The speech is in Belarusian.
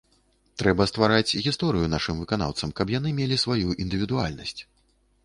Трэба ствараць гісторыю нашым выканаўцам, каб яны мелі сваю індывідуальнасць.